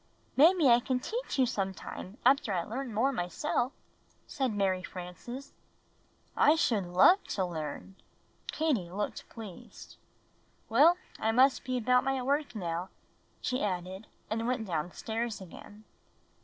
"Maybe I can teach you some time after I learn more myself," said Mary Frances. "I should love to learn." Katie looked pleased. "Well, I must be about my work now," she added, and went downstairs again.